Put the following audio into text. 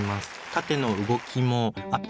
縦の動きもアップ